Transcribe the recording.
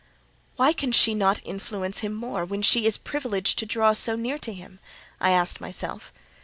"Why can she not influence him more, when she is privileged to draw so near to him?" I asked myself.